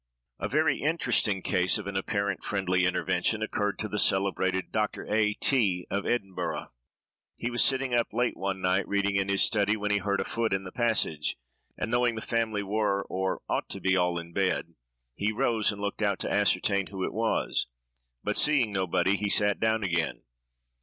A very interesting case of an apparent friendly intervention occurred to the celebrated Dr. A—— T——, of Edinburgh. He was sitting up late one night, reading in his study, when he heard a foot in the passage, and knowing the family were, or ought to be, all in bed, he rose and looked out to ascertain who it was, but, seeing nobody, he sat down again.